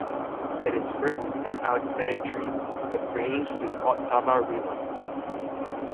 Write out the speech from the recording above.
It is written in alexandrines, arranged in "ottava rima".